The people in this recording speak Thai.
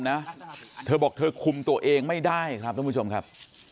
นะเธอบอกคุมตัวเองไม่ได้ครับครับ